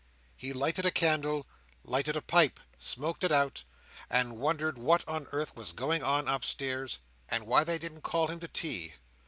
He lighted a candle, lighted a pipe, smoked it out, and wondered what on earth was going on upstairs, and why they didn't call him to tea.